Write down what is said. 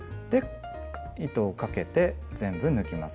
糸をかけて全部抜きます。